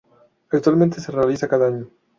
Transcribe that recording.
Actualmente se realiza cada año.